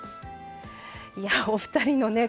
いやお二人のね